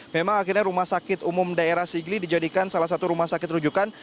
memang akhirnya rumah sakit umum daerah sigli dijadikan salah satu rumah sakit rujukan